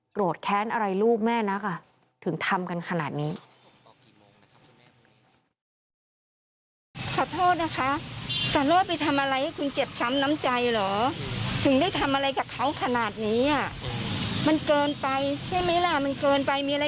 แค้นอะไรลูกแม่นักถึงทำกันขนาดนี้